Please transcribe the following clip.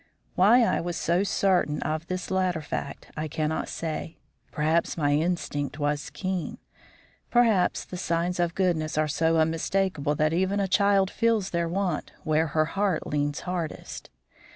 Why I was so certain of this latter fact, I cannot say. Perhaps my instinct was keen; perhaps the signs of goodness are so unmistakable that even a child feels their want where her heart leans hardest.